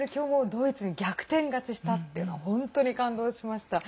ドイツに逆転勝ちしたっていうのは本当に感動しました。